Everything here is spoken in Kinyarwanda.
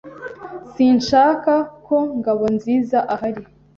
Sinshaka ko Ngabonziza ahari.